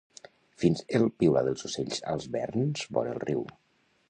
Fins el piular dels ocells als verns, vora el riu.